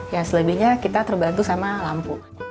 ya selebihnya kita terbantu sama lampu